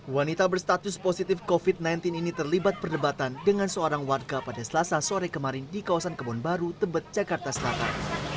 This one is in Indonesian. wanita berstatus positif covid sembilan belas ini terlibat perdebatan dengan seorang warga pada selasa sore kemarin di kawasan kebon baru tebet jakarta selatan